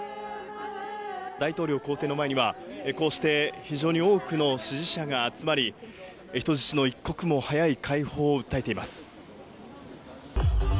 大統領公邸の前には、こうして非常に多くの支持者が集まり、人質の一刻も早い解放を訴えています。